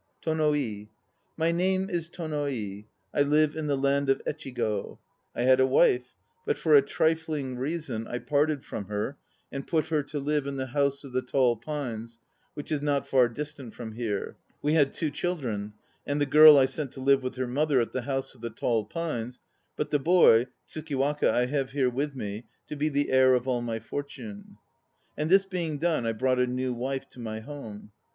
TONO I. My name is Tono i. I live in the land of Echigo. I had a \vii : but for a trifling reason I parted from her and put her to live in the House of the Tall Pines, which is not far distant from here. We had two children; and the girl I sent to live with her mother at thr House of the Tall Pines, but the boy, Tsukiwaka, I have here with me, to be the heir of all my fortune. And this being done, I brought a new wife to my home.